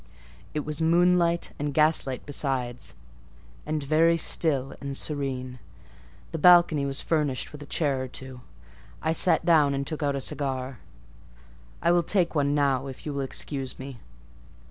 It was moonlight and gaslight besides, and very still and serene. The balcony was furnished with a chair or two; I sat down, and took out a cigar,—I will take one now, if you will excuse me."